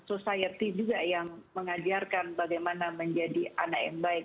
society juga yang mengajarkan bagaimana menjadi anak yang baik